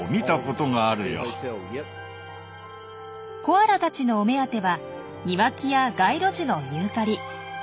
コアラたちのお目当ては庭木や街路樹のユーカリ。